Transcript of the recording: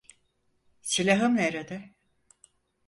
Silahım nerede?